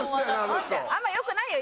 あんま良くないよ